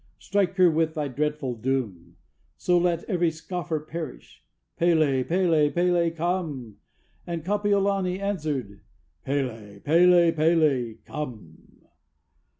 Strike her with thy dreadful doom! So let every scoffer perish! P├®l├®! P├®l├®! P├®l├®! come!" And Kapiolani answered "P├®l├®! P├®l├®! P├®l├®! come!"